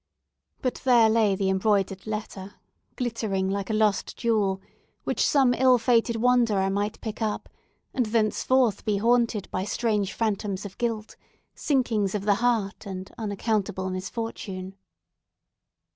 But there lay the embroidered letter, glittering like a lost jewel, which some ill fated wanderer might pick up, and thenceforth be haunted by strange phantoms of guilt, sinkings of the heart, and unaccountable misfortune.